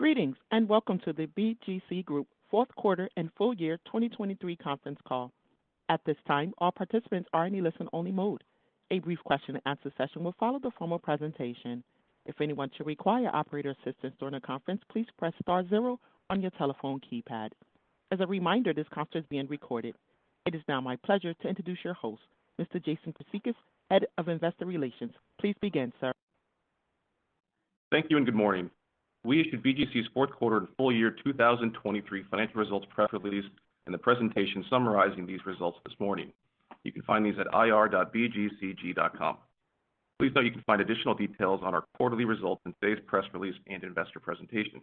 Greetings and welcome to the BGC Group Fourth Quarter and Full Year 2023 Conference Call. At this time, all participants are in a listen-only mode. A brief question-and-answer session will follow the formal presentation. If anyone should require operator assistance during a conference, please press star zero on your telephone keypad. As a reminder, this conference is being recorded. It is now my pleasure to introduce your host, Mr. Jason Chryssicas, Head of Investor Relations. Please begin, sir. Thank you and good morning. We issued BGC's fourth quarter and full year 2023 financial results press release and the presentation summarizing these results this morning. You can find these at ir.bgcg.com. Please note you can find additional details on our quarterly results in today's press release and investor presentation.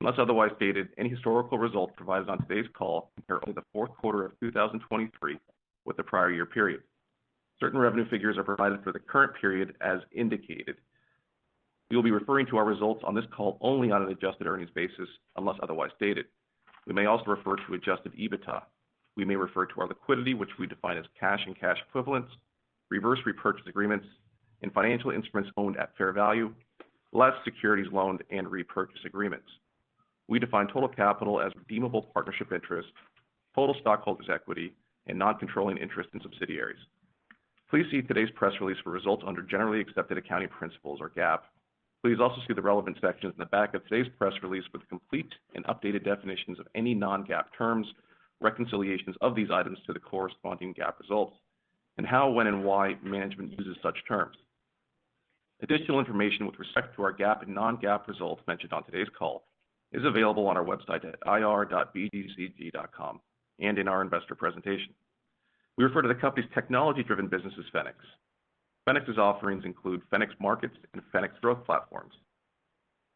Unless otherwise stated, any historical results provided on today's call compare only the fourth quarter of 2023 with the prior year period. Certain revenue figures are provided for the current period as indicated. We will be referring to our results on this call only on an Adjusted Earnings basis unless otherwise stated. We may also refer to Adjusted EBITDA. We may refer to our liquidity, which we define as cash and cash equivalents, reverse repurchase agreements, and financial instruments owned at fair value, less securities loaned and repurchase agreements. We define total capital as redeemable partnership interest, total stockholders' equity, and non-controlling interest in subsidiaries. Please see today's press release for results under generally accepted accounting principles, or GAAP. Please also see the relevant sections in the back of today's press release with complete and updated definitions of any non-GAAP terms, reconciliations of these items to the corresponding GAAP results, and how, when, and why management uses such terms. Additional information with respect to our GAAP and non-GAAP results mentioned on today's call is available on our website at ir.bgcg.com and in our investor presentation. We refer to the company's technology-driven business as Fenics. Fenics's offerings include Fenics Markets and Fenics Growth Platforms.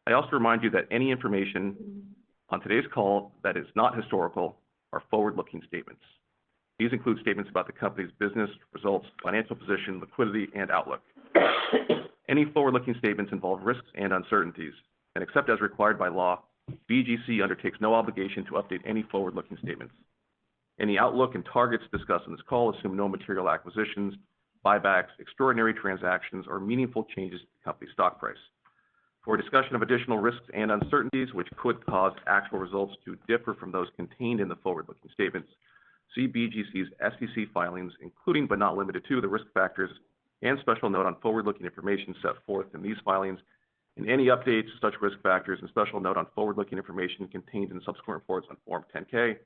I also remind you that any information on today's call that is not historical are forward-looking statements. These include statements about the company's business results, financial position, liquidity, and outlook. Any forward-looking statements involve risks and uncertainties, and except as required by law, BGC undertakes no obligation to update any forward-looking statements. Any outlook and targets discussed in this call assume no material acquisitions, buybacks, extraordinary transactions, or meaningful changes to the company's stock price. For a discussion of additional risks and uncertainties which could cause actual results to differ from those contained in the forward-looking statements, see BGC's SEC filings, including but not limited to the risk factors and special note on forward-looking information set forth in these filings, and any updates to such risk factors and special note on forward-looking information contained in subsequent reports on Form 10-K,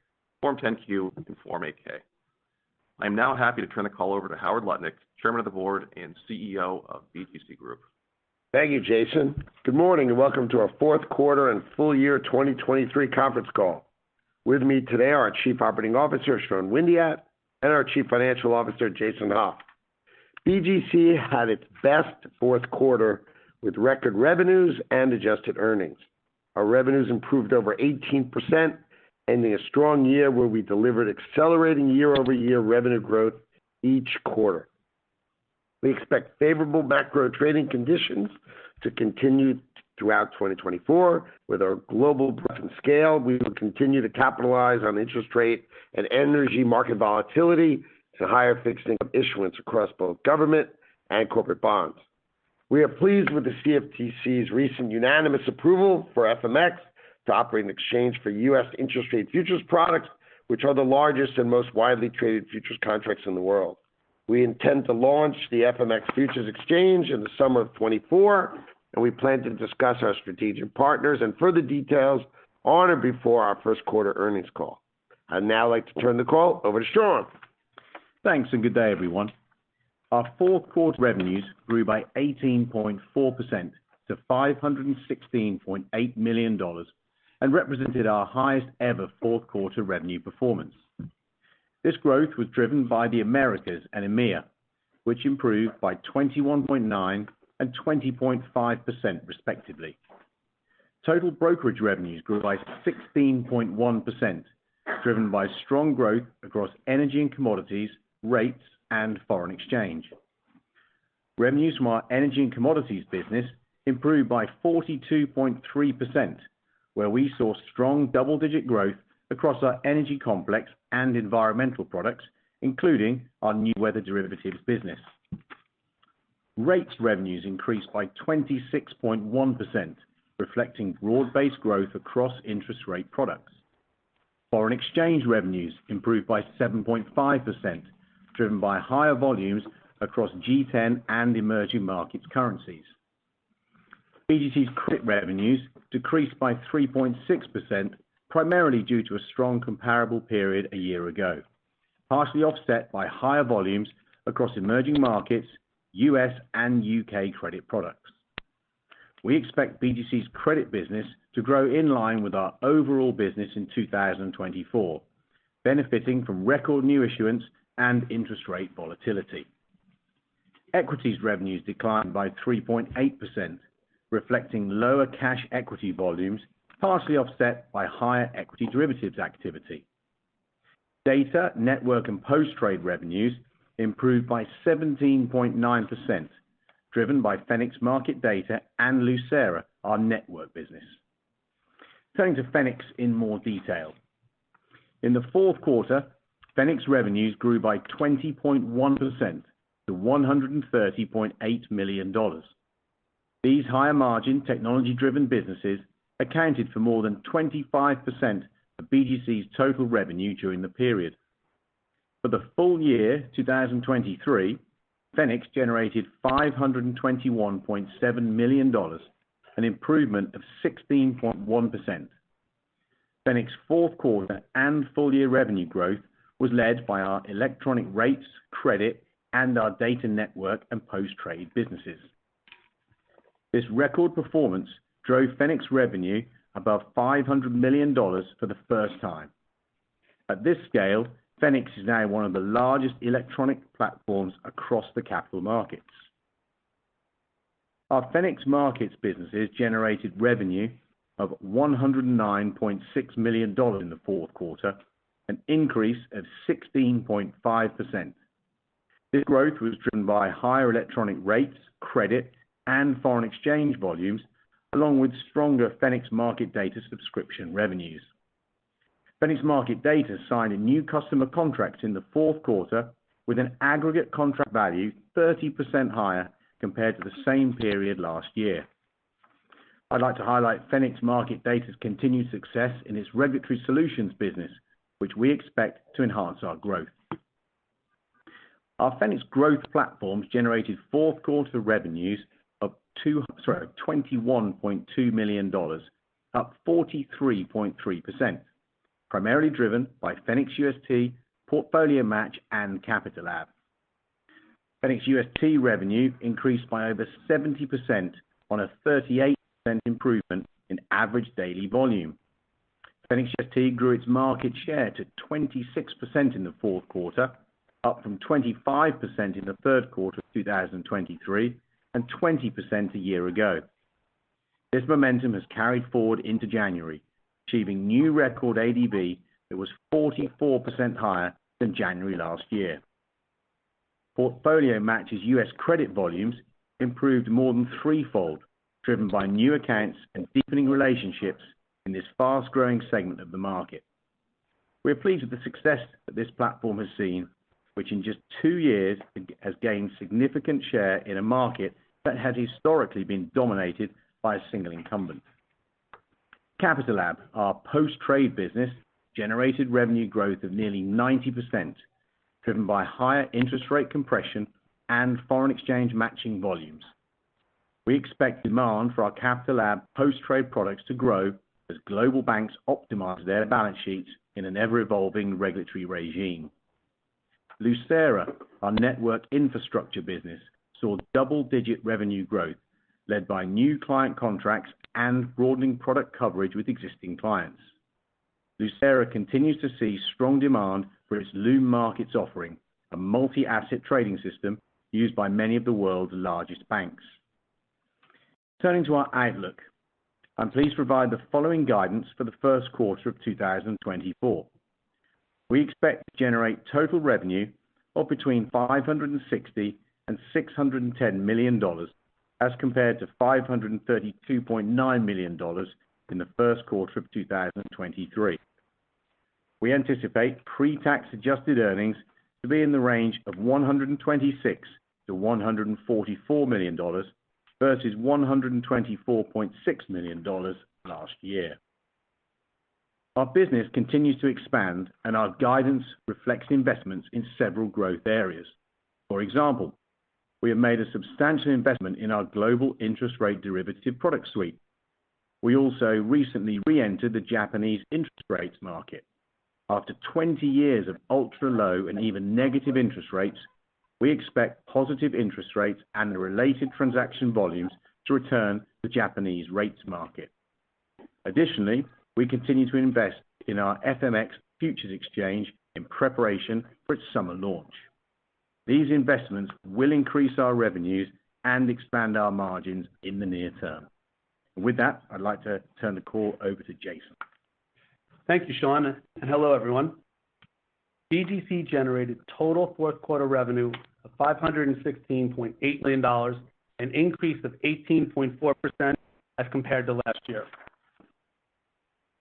Form 10-Q, and Form 8-K. I am now happy to turn the call over to Howard Lutnick, Chairman of the Board and CEO of BGC Group. Thank you, Jason. Good morning and welcome to our Fourth Quarter and Full Year 2023 Conference Call. With me today are our Chief Operating Officer, Sean Windeatt, and our Chief Financial Officer, Jason Hauf. BGC had its best fourth quarter with record revenues and adjusted earnings. Our revenues improved over 18%, ending a strong year where we delivered accelerating year-over-year revenue growth each quarter. We expect favorable macro trading conditions to continue throughout 2024 with our global growth in scale. We will continue to capitalize on interest rate and energy market volatility and higher fixed income issuance across both government and corporate bonds. We are pleased with the CFTC's recent unanimous approval for FMX to operate an exchange for U.S. interest rate futures products, which are the largest and most widely traded futures contracts in the world. We intend to launch the FMX Futures Exchange in the summer of 2024, and we plan to discuss our strategic partners and further details on or before our first quarter earnings call. I'd now like to turn the call over to Sean. Thanks and good day, everyone. Our fourth quarter revenues grew by 18.4% to $516.8 million and represented our highest-ever fourth-quarter revenue performance. This growth was driven by the Americas and EMEA, which improved by 21.9% and 20.5% respectively. Total brokerage revenues grew by 16.1%, driven by strong growth across energy and commodities, rates, and foreign exchange. Revenues from our energy and commodities business improved by 42.3%, where we saw strong double-digit growth across our energy complex and environmental products, including our new weather derivatives business. Rates revenues increased by 26.1%, reflecting broad-based growth across interest rate products. Foreign exchange revenues improved by 7.5%, driven by higher volumes across G10 and emerging markets currencies. BGC's credit revenues decreased by 3.6%, primarily due to a strong comparable period a year ago, partially offset by higher volumes across emerging markets, U.S., and U.K. credit products. We expect BGC's credit business to grow in line with our overall business in 2024, benefiting from record new issuance and interest rate volatility. Equities revenues declined by 3.8%, reflecting lower cash equity volumes, partially offset by higher equity derivatives activity. Data, network, and post-trade revenues improved by 17.9%, driven by Fenics Market Data and Lucera, our network business. Turning to Fenics in more detail. In the fourth quarter, Fenics revenues grew by 20.1% to $130.8 million. These higher-margin, technology-driven businesses accounted for more than 25% of BGC's total revenue during the period. For the full year 2023, Fenics generated $521.7 million, an improvement of 16.1%. Fenics fourth quarter and full year revenue growth was led by our electronic rates, credit, and our data network and post-trade businesses. This record performance drove Fenics revenue above $500 million for the first time. At this scale, Fenics is now one of the largest electronic platforms across the capital markets. Our Fenics markets businesses generated revenue of $109.6 million in the fourth quarter, an increase of 16.5%. This growth was driven by higher electronic rates, credit, and foreign exchange volumes, along with stronger Fenics Market Data subscription revenues. Fenics Market Data signed a new customer contract in the fourth quarter with an aggregate contract value 30% higher compared to the same period last year. I'd like to highlight Fenics Market Data's continued success in its regulatory solutions business, which we expect to enhance our growth. Our Fenics growth platforms generated fourth quarter revenues of $21.2 million, up 43.3%, primarily driven by Fenics UST PortfolioMatch and Capitalab. Fenics UST revenue increased by over 70% on a 38% improvement in average daily volume. Fenics UST grew its market share to 26% in the fourth quarter, up from 25% in the third quarter of 2023 and 20% a year ago. This momentum has carried forward into January, achieving new record ADV that was 44% higher than January last year. Fenics PortfolioMatch U.S. credit volumes improved more than threefold, driven by new accounts and deepening relationships in this fast-growing segment of the market. We are pleased with the success that this platform has seen, which in just two years has gained significant share in a market that has historically been dominated by a single incumbent. Capitalab, our post-trade business, generated revenue growth of nearly 90%, driven by higher interest rate compression and foreign exchange matching volumes. We expect demand for our Capitalab post-trade products to grow as global banks optimize their balance sheets in an ever-evolving regulatory regime. Lucera, our network infrastructure business, saw double-digit revenue growth led by new client contracts and broadening product coverage with existing clients. Lucera continues to see strong demand for its Lume Markets offering, a multi-asset trading system used by many of the world's largest banks. Turning to our outlook, I'm pleased to provide the following guidance for the first quarter of 2024. We expect to generate total revenue of between $560-$610 million as compared to $532.9 million in the first quarter of 2023. We anticipate pre-tax adjusted earnings to be in the range of $126-$144 million versus $124.6 million last year. Our business continues to expand, and our guidance reflects investments in several growth areas. For example, we have made a substantial investment in our global interest rate derivative product suite. We also recently re-entered the Japanese interest rates market. After 20 years of ultra-low and even negative interest rates, we expect positive interest rates and the related transaction volumes to return to the Japanese rates market. Additionally, we continue to invest in our FMX Futures Exchange in preparation for its summer launch. These investments will increase our revenues and expand our margins in the near term. With that, I'd like to turn the call over to Jason. Thank you, Sean. And hello, everyone. BGC generated total fourth quarter revenue of $516.8 million, an increase of 18.4% as compared to last year.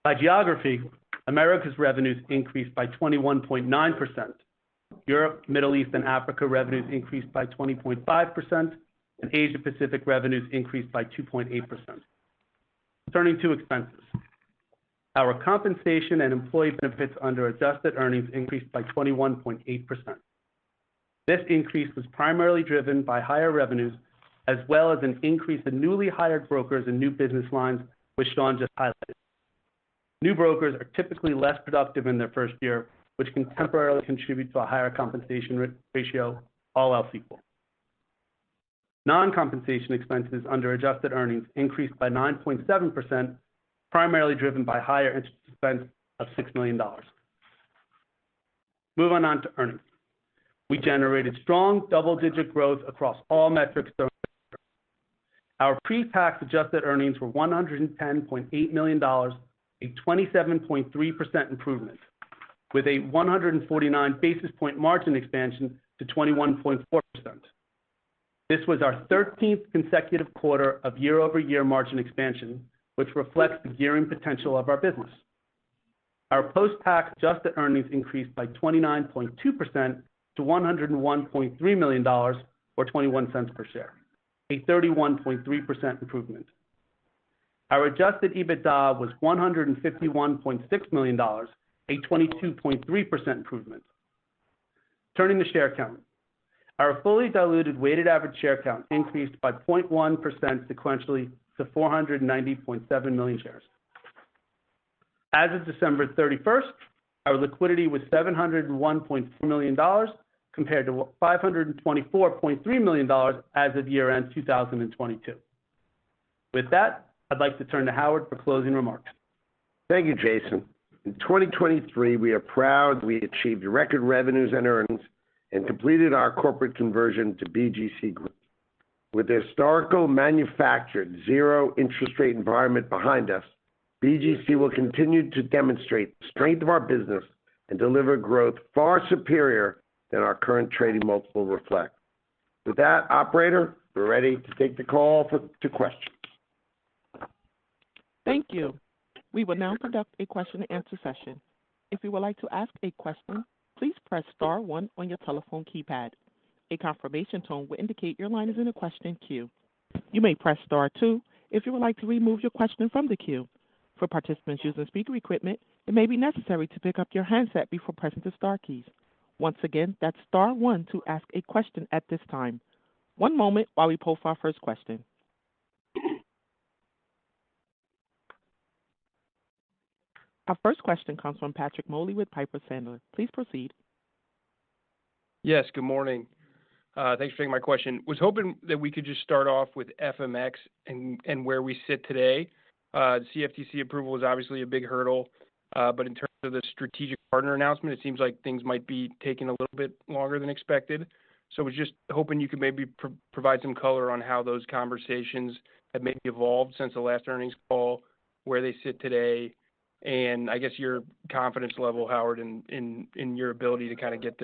By geography, America's revenues increased by 21.9%. Europe, Middle East, and Africa revenues increased by 20.5%, and Asia-Pacific revenues increased by 2.8%. Turning to expenses. Our compensation and employee benefits under adjusted earnings increased by 21.8%. This increase was primarily driven by higher revenues as well as an increase in newly hired brokers and new business lines, which Sean just highlighted. New brokers are typically less productive in their first year, which can temporarily contribute to a higher compensation ratio, all else equal. Non-compensation expenses under adjusted earnings increased by 9.7%, primarily driven by higher entity expense of $6 million. Move on to earnings. We generated strong double-digit growth across all metrics during the first quarter. Our pre-tax adjusted earnings were $110.8 million, a 27.3% improvement, with a 149 basis point margin expansion to 21.4%. This was our 13th consecutive quarter of year-over-year margin expansion, which reflects the gearing potential of our business. Our Post-Tax adjusted earnings increased by 29.2% to $101.3 million or $0.21 per share, a 31.3% improvement. Our adjusted EBITDA was $151.6 million, a 22.3% improvement. Turning to share count. Our fully diluted weighted average share count increased by 0.1% sequentially to 490.7 million shares. As of December 31st, our liquidity was $701.4 million compared to $524.3 million as of year-end 2022. With that, I'd like to turn to Howard for closing remarks. Thank you, Jason. In 2023, we are proud that we achieved record revenues and earnings and completed our corporate conversion to BGC Group. With the historical manufactured zero interest rate environment behind us, BGC will continue to demonstrate the strength of our business and deliver growth far superior than our current trading multiple reflect. With that, operator, we're ready to take the call for questions. Thank you. We will now conduct a question-and-answer session. If you would like to ask a question, please press star one on your telephone keypad. A confirmation tone will indicate your line is in a question queue. You may press star two if you would like to remove your question from the queue. For participants using speaker equipment, it may be necessary to pick up your handset before pressing the star keys. Once again, that's star one to ask a question at this time. One moment while we pull for our first question. Our first question comes from Patrick Moley with Piper Sandler. Please proceed. Yes, good morning. Thanks for taking my question. Was hoping that we could just start off with FMX and where we sit today. The CFTC approval was obviously a big hurdle, but in terms of the strategic partner announcement, it seems like things might be taking a little bit longer than expected. So I was just hoping you could maybe provide some color on how those conversations have maybe evolved since the last earnings call, where they sit today, and I guess your confidence level, Howard, in your ability to kind of get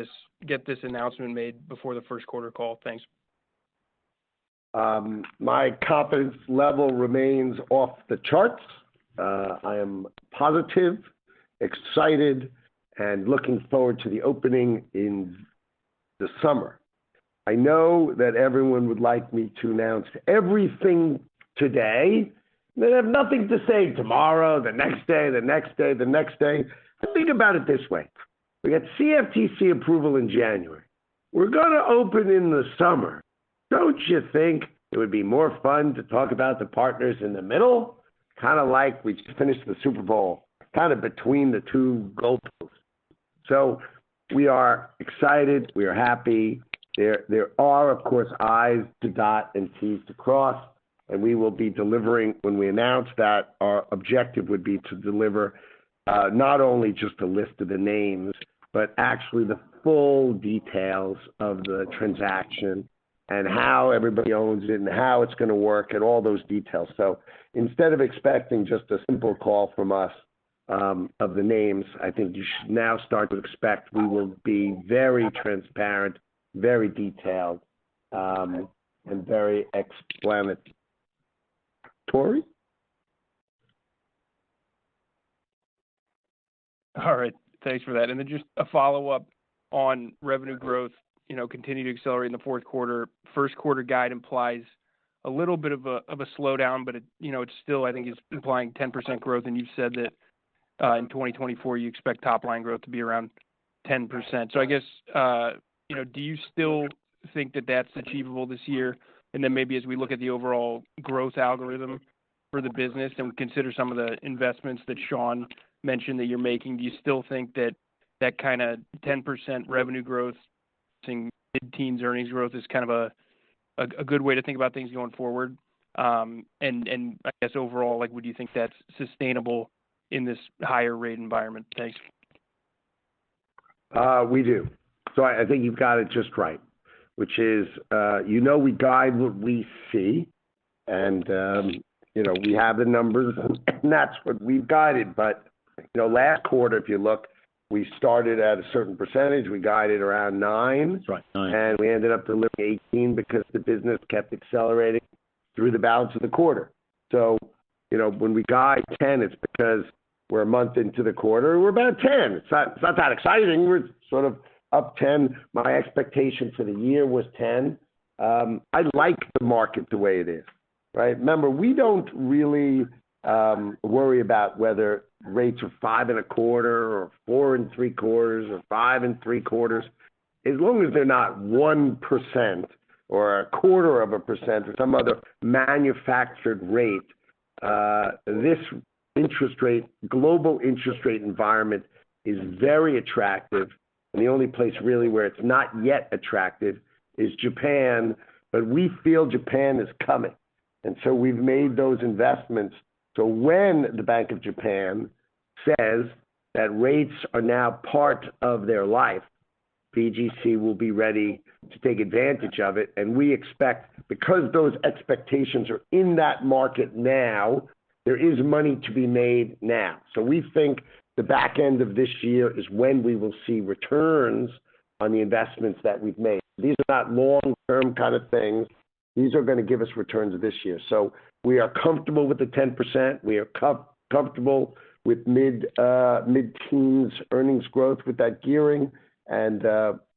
this announcement made before the first quarter call. Thanks. My confidence level remains off the charts. I am positive, excited, and looking forward to the opening in the summer. I know that everyone would like me to announce everything today and then have nothing to say tomorrow, the next day, the next day, the next day. I think about it this way. We got CFTC approval in January. We're going to open in the summer. Don't you think it would be more fun to talk about the partners in the middle, kind of like we just finished the Super Bowl, kind of between the two goalposts? So we are excited. We are happy. There are, of course, I's to dot and T's to cross, and we will be delivering when we announce that. Our objective would be to deliver not only just a list of the names but actually the full details of the transaction and how everybody owns it and how it's going to work and all those details. So instead of expecting just a simple call from us of the names, I think you should now start to expect we will be very transparent, very detailed, and very explanatory. Tori? All right. Thanks for that. And then just a follow-up on revenue growth continuing to accelerate in the fourth quarter. First quarter guide implies a little bit of a slowdown, but it still, I think, is implying 10% growth. And you've said that in 2024, you expect top-line growth to be around 10%. So I guess, do you still think that that's achievable this year? And then maybe as we look at the overall growth algorithm for the business and consider some of the investments that Sean mentioned that you're making, do you still think that kind of 10% revenue growth, mid-teens earnings growth, is kind of a good way to think about things going forward? And I guess overall, would you think that's sustainable in this higher-rate environment? Thanks. We do. So I think you've got it just right, which is we guide what we see, and we have the numbers, and that's what we've guided. But last quarter, if you look, we started at a certain percentage. We guided around 9%. And we ended up delivering 18% because the business kept accelerating through the balance of the quarter. So when we guide 10%, it's because we're a month into the quarter. We're about 10%. It's not that exciting. We're sort of up 10%. My expectation for the year was 10%. I like the market the way it is, right? Remember, we don't really worry about whether rates are 5.25 or 4.75 or 5.75. As long as they're not 1% or 0.25% or some other manufactured rate, this global interest rate environment is very attractive. The only place really where it's not yet attractive is Japan, but we feel Japan is coming. So we've made those investments. So when the Bank of Japan says that rates are now part of their life, BGC will be ready to take advantage of it. And we expect, because those expectations are in that market now, there is money to be made now. So we think the back end of this year is when we will see returns on the investments that we've made. These are not long-term kind of things. These are going to give us returns this year. So we are comfortable with the 10%. We are comfortable with mid-teens earnings growth with that gearing. And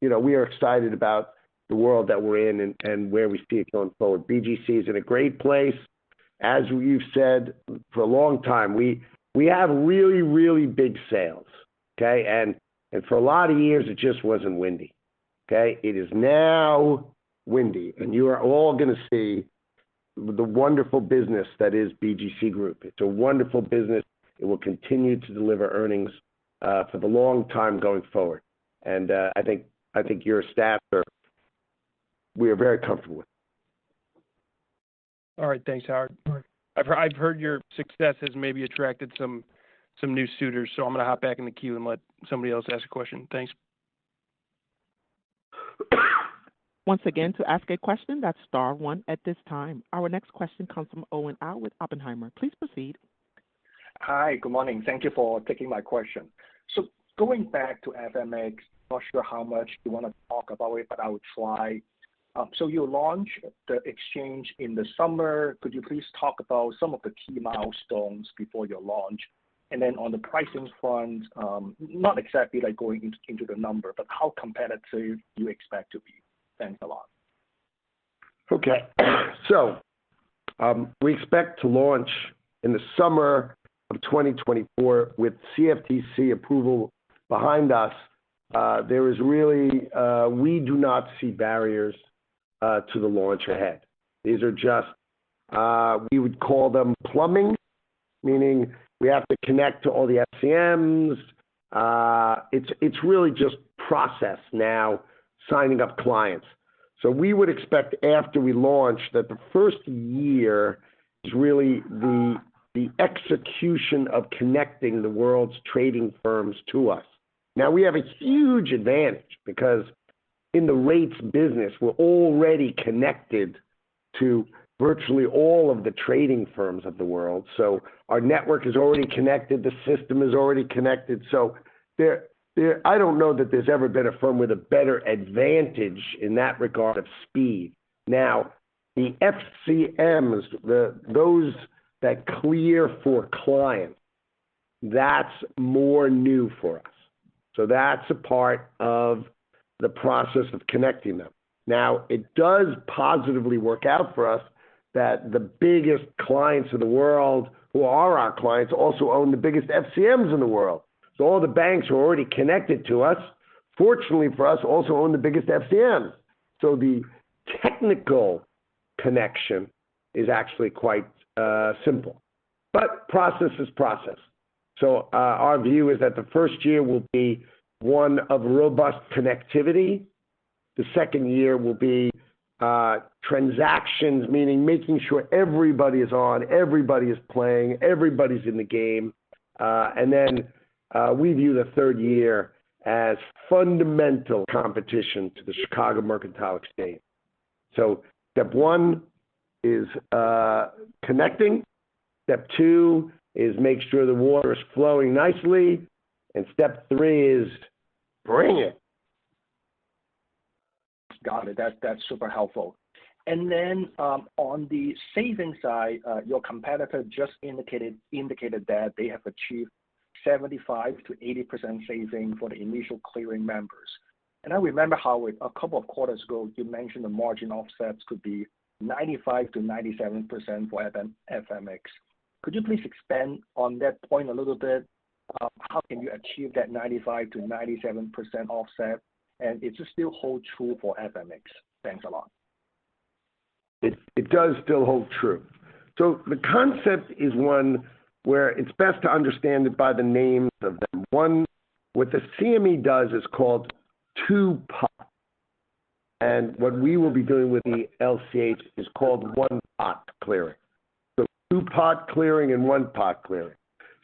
we are excited about the world that we're in and where we see it going forward. BGC is in a great place. As you've said for a long time, we have really, really big sales, okay? And for a lot of years, it just wasn't windy, okay? It is now windy, and you are all going to see the wonderful business that is BGC Group. It's a wonderful business. It will continue to deliver earnings for the long time going forward. And I think your staff are we are very comfortable with it. All right. Thanks, Howard. I've heard your success has maybe attracted some new suitors, so I'm going to hop back in the queue and let somebody else ask a question. Thanks. Once again, to ask a question, that's star one at this time. Our next question comes from Owen Lau with Oppenheimer. Please proceed. Hi. Good morning. Thank you for taking my question. So going back to FMX, I'm not sure how much you want to talk about it, but I would try. So you launched the exchange in the summer. Could you please talk about some of the key milestones before your launch? And then on the pricing front, not exactly going into the number, but how competitive do you expect to be? Thanks a lot. Okay. So we expect to launch in the summer of 2024 with CFTC approval behind us. We do not see barriers to the launch ahead. These are just, we would call them, plumbing, meaning we have to connect to all the FCMs. It's really just process now, signing up clients. So we would expect after we launch that the first year is really the execution of connecting the world's trading firms to us. Now, we have a huge advantage because in the rates business, we're already connected to virtually all of the trading firms of the world. So our network is already connected. The system is already connected. So I don't know that there's ever been a firm with a better advantage in that regard of speed. Now, the FCMs, those that clear for clients, that's more new for us. So that's a part of the process of connecting them. Now, it does positively work out for us that the biggest clients in the world, who are our clients, also own the biggest FCMs in the world. So all the banks who are already connected to us, fortunately for us, also own the biggest FCMs. So the technical connection is actually quite simple, but process is process. So our view is that the first year will be one of robust connectivity. The second year will be transactions, meaning making sure everybody is on, everybody is playing, everybody's in the game. And then we view the third year as fundamental competition to the Chicago Mercantile Exchange. So step one is connecting. Step two is make sure the water is flowing nicely. And step three is bring it. Got it. That's super helpful. And then on the savings side, your competitor just indicated that they have achieved 75%-80% saving for the initial clearing members. And I remember Howard, a couple of quarters ago, you mentioned the margin offsets could be 95%-97% for FMX. Could you please expand on that point a little bit? How can you achieve that 95%-97% offset, and is it still hold true for FMX? Thanks a lot. It does still hold true. So the concept is one where it's best to understand it by the names of them. One, what the CME does is called two-pot. And what we will be doing with the LCH is called one-pot clearing. So two-pot clearing and one-pot clearing.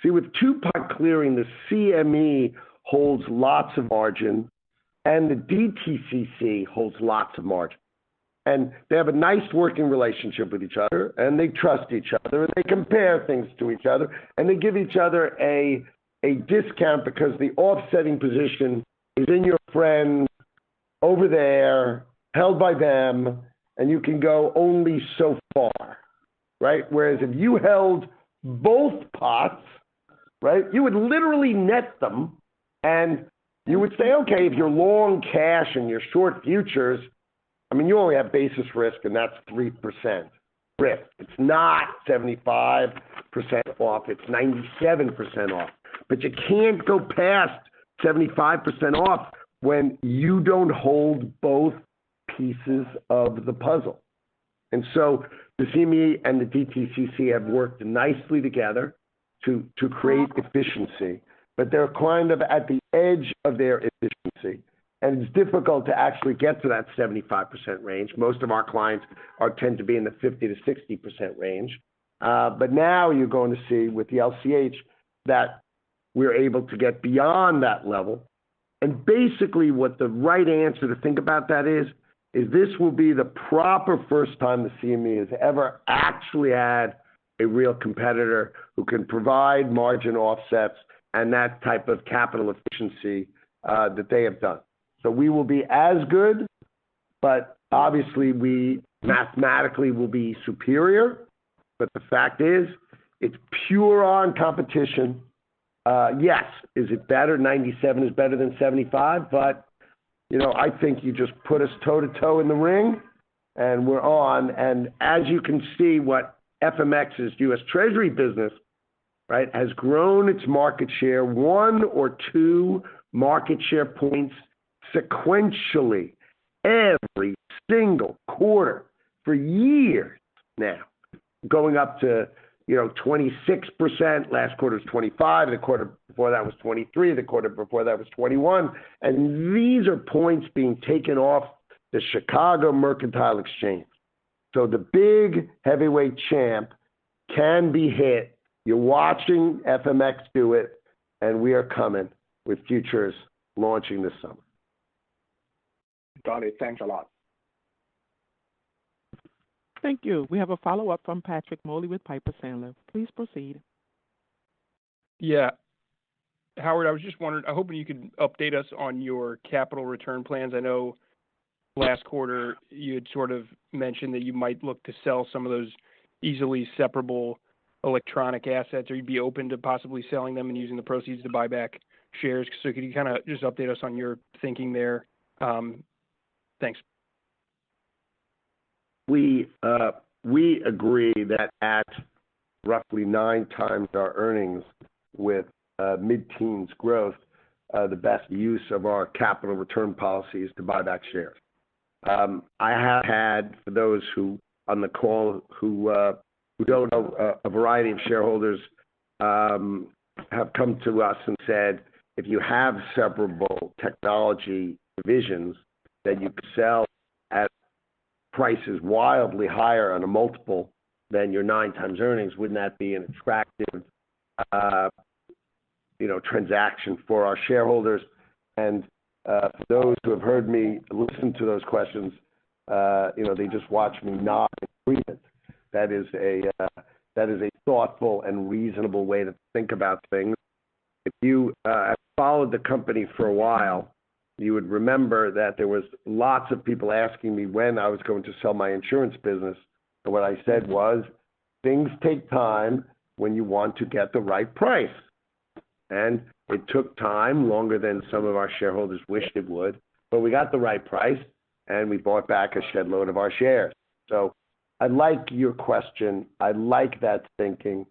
See, with two-pot clearing, the CME holds lots of margin, and the DTCC holds lots of margin. And they have a nice working relationship with each other, and they trust each other, and they compare things to each other, and they give each other a discount because the offsetting position is in your friend over there, held by them, and you can go only so far, right? Whereas if you held both pots, right, you would literally net them, and you would say, "Okay, if you're long cash and you're short futures, I mean, you only have basis risk, and that's 3% risk. It's not 75% off. It's 97% off." But you can't go past 75% off when you don't hold both pieces of the puzzle. And so the CME and the DTCC have worked nicely together to create efficiency, but they're kind of at the edge of their efficiency, and it's difficult to actually get to that 75% range. Most of our clients tend to be in the 50%-60% range. But now you're going to see with the LCH that we're able to get beyond that level. Basically, what the right answer to think about that is, is this will be the proper first time the CME has ever actually had a real competitor who can provide margin offsets and that type of capital efficiency that they have done. So we will be as good, but obviously, mathematically, we'll be superior. But the fact is, it's head-on competition. Yes, is it better? 97 is better than 75, but I think you just put us toe to toe in the ring, and we're on. And as you can see, what FMX's U.S. Treasury business, right, has grown its market share one or two market share points sequentially every single quarter for years now, going up to 26%. Last quarter was 25%. The quarter before that was 23%. The quarter before that was 21%. And these are points being taken off the Chicago Mercantile Exchange. So the big heavyweight champ can be hit. You're watching FMX do it, and we are coming with futures launching this summer. Got it. Thanks a lot. Thank you. We have a follow-up from Patrick Moley with Piper Sandler. Please proceed. Yeah. Howard, I was just wondering, I'm hoping you could update us on your capital return plans. I know last quarter, you had sort of mentioned that you might look to sell some of those easily separable electronic assets, or you'd be open to possibly selling them and using the proceeds to buy back shares. So could you kind of just update us on your thinking there? Thanks. We agree that at roughly 9x our earnings with mid-teens growth, the best use of our capital return policy is to buy back shares. I have had, for those on the call who don't know, a variety of shareholders have come to us and said, "If you have separable technology divisions that you could sell at prices wildly higher on a multiple than your 9x earnings, wouldn't that be an attractive transaction for our shareholders?" And for those who have heard me listen to those questions, they just watch me nod in agreement. That is a thoughtful and reasonable way to think about things. If you have followed the company for a while, you would remember that there was lots of people asking me when I was going to sell my insurance business. What I said was, "Things take time when you want to get the right price." It took time longer than some of our shareholders wished it would, but we got the right price, and we bought back a shedload of our shares. I like your question. I like that thinking.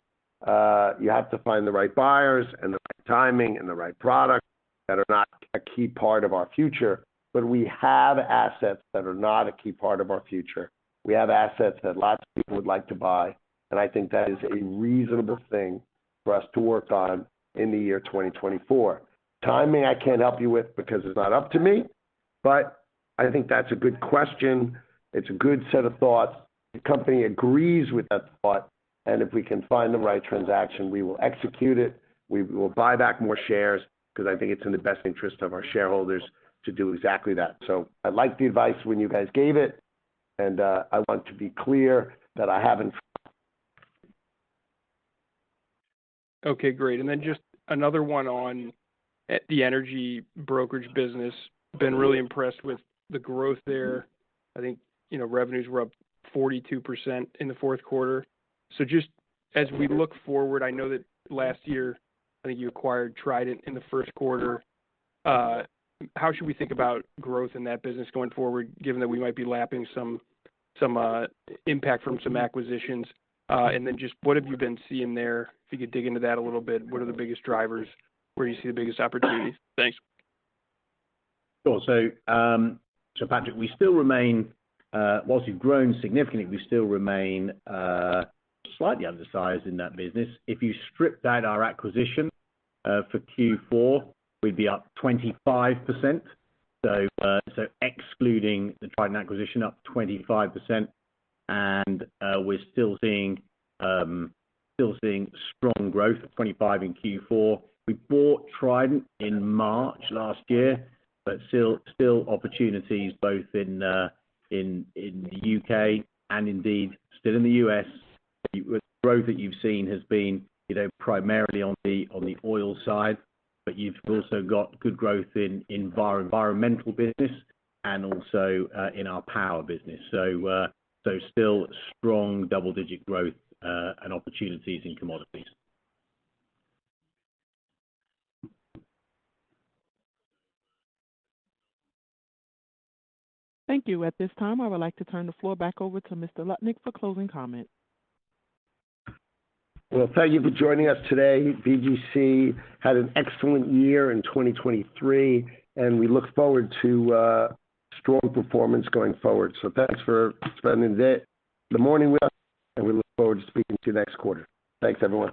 You have to find the right buyers and the right timing and the right products that are not a key part of our future, but we have assets that are not a key part of our future. We have assets that lots of people would like to buy, and I think that is a reasonable thing for us to work on in the year 2024. Timing, I can't help you with because it's not up to me, but I think that's a good question. It's a good set of thoughts. The company agrees with that thought, and if we can find the right transaction, we will execute it. We will buy back more shares because I think it's in the best interest of our shareholders to do exactly that. So I like the advice when you guys gave it, and I want to be clear that I haven't. Okay. Great. Then just another one on the energy brokerage business. Been really impressed with the growth there. I think revenues were up 42% in the fourth quarter. Just as we look forward, I know that last year, I think you acquired Trident in the first quarter. How should we think about growth in that business going forward, given that we might be lapping some impact from some acquisitions? Then just what have you been seeing there? If you could dig into that a little bit, what are the biggest drivers? Where do you see the biggest opportunities? Thanks. Sure. So, Patrick, while you've grown significantly, we still remain slightly undersized in that business. If you stripped out our acquisition for Q4, we'd be up 25%. So excluding the Trident acquisition, up 25%, and we're still seeing strong growth, 25 in Q4. We bought Trident in March last year, but still opportunities both in the U.K. and indeed still in the U.S. The growth that you've seen has been primarily on the oil side, but you've also got good growth in environmental business and also in our power business. So still strong double-digit growth and opportunities in commodities. Thank you. At this time, I would like to turn the floor back over to Mr. Lutnick for closing comments. Well, thank you for joining us today. BGC had an excellent year in 2023, and we look forward to strong performance going forward. Thanks for spending the morning with us, and we look forward to speaking to you next quarter. Thanks, everyone.